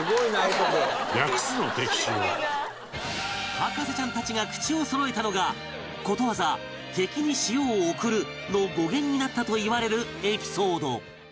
博士ちゃんたちが口をそろえたのがことわざ「敵に塩を送る」の語源になったといわれるエピソード